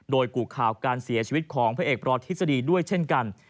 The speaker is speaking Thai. โดยกุข่าวการเสียชีวิตของพระเอกปรทฤษฎีด้วยเช่นกัน